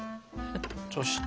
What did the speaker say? そして。